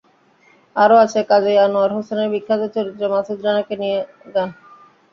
আরও আছে, কাজী আনোয়ার হোসেনের বিখ্যাত চরিত্র মাসুদ রানাকে নিয়ে গান।